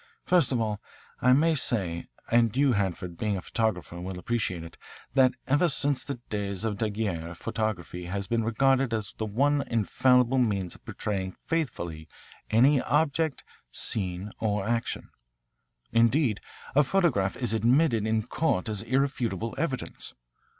First of all, I may say, and you, Hanford, being a photographer will appreciate it, that ever since the days of Daguerre photography has been regarded as the one infallible means of portraying faithfully any object, scene, or action. Indeed a photograph is admitted in court as irrefutable evidence.